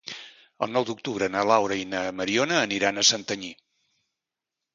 El nou d'octubre na Laura i na Mariona aniran a Santanyí.